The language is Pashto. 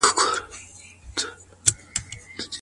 د منځګړي لپاره ورپسې شرط څه دی؟